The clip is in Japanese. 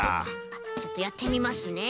ちょっとやってみますね。